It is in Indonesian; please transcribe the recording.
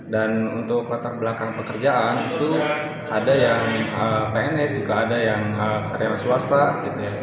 dan untuk latar belakang pekerjaan itu ada yang pns juga ada yang karyawan swasta gitu ya